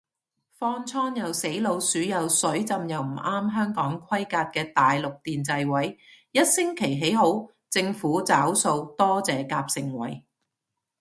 方艙又死老鼠又水浸又唔啱香港規格嘅大陸電掣位，一星期起好，政府找數多謝夾盛惠